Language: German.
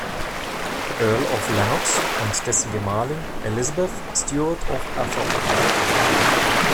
Earl of Lennox und dessen Gemahlin Elizabeth Stewart of Atholl.